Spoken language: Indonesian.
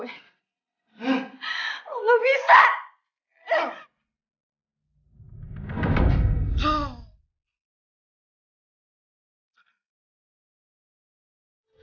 dia meninggal wisconsin